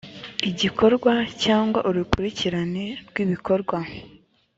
igikorwa cyangwa urukurikirane rw ibikorwa